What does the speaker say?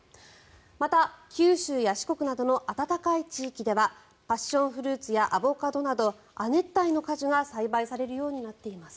また、九州や四国などの暖かい地域ではパッションフルーツやアボカドなど亜熱帯の果樹が栽培されるようになっています。